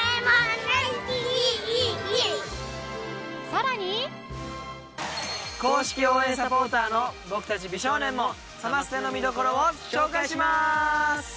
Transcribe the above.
さらに公式応援サポーターの僕たち美少年もサマステの見どころを紹介しまーす！